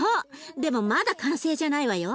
でもまだ完成じゃないわよ。